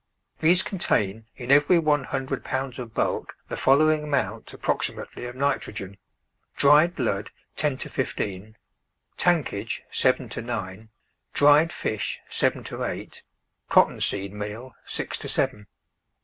These contain in every one hundred pounds of bulk the following amount (approximately) of nitrogen: dried blood, ten to fifteen; tankage, seven to nine; dried fish, seven to eight ; cotton seed meal, six to seven.